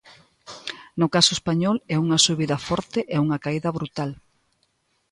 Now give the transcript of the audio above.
No caso español é unha subida forte e unha caída brutal.